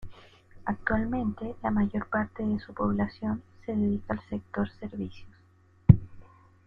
Actualmente la mayor parte de su población se dedica al sector servicios.